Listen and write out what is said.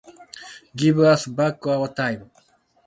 Give us back our time.